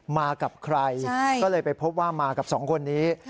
มากับใครก็เลยไปพบว่ามากับสองคนนี้